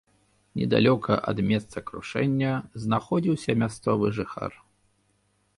Недалёка ад месца крушэння знаходзіўся мясцовы жыхар.